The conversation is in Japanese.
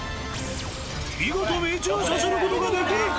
見事命中させることができるか。